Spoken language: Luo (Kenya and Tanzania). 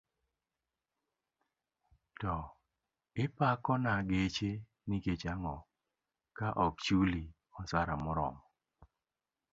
To ipako na geche nikech ango ka ok chuli osara moromo.